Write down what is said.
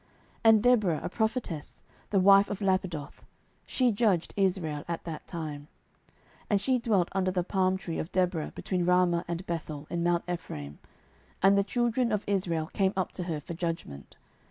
07:004:004 And Deborah, a prophetess, the wife of Lapidoth, she judged Israel at that time. 07:004:005 And she dwelt under the palm tree of Deborah between Ramah and Bethel in mount Ephraim: and the children of Israel came up to her for judgment.